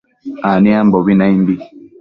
aniambobi naimbi